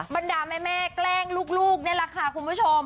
บรรดาแม่แกล้งลูกนี่แหละค่ะคุณผู้ชม